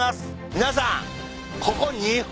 皆さん。